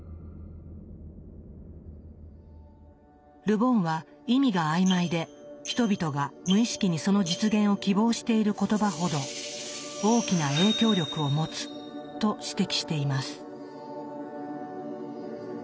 ル・ボンは意味が曖昧で人々が無意識にその実現を希望している言葉ほど大きな影響力を持つと指摘しています。